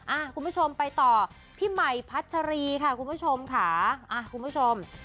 คุณผู้ชมไปต่อพี่ใหม่พัชรีค่ะคุณผู้ชมค่ะอ่ะคุณผู้ชม